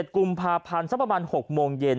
กุมภาพันธ์สักประมาณ๖โมงเย็น